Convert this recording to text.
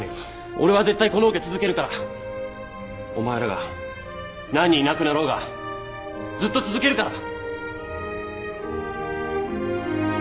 俺は絶対このオケ続けるから。お前らが何人いなくなろうがずっと続けるから。